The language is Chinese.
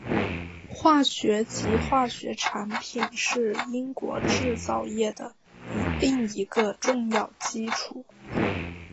化学及化学产品是英国制造业的另一个重要基础。